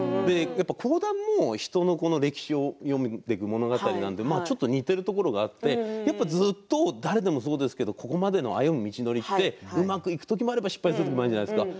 講談も人の歴史を読んでいく物語なので似ているところがあってずっと誰でもそうですけどここまでの歩む道が実はうまくいく時もあれば失敗する時があるじゃないですか。